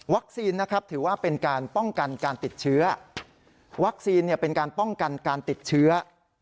วัคซีนถือว่าเป็นการป้องกันการติดเชื้อ